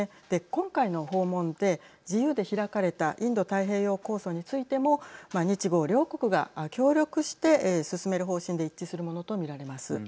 今回の訪問で自由で開かれたインド太平洋構想についても日豪両国が協力して進める方針で一致するものと見られます。